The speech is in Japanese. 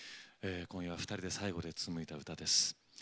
今夜２人で最後につむいだ歌です。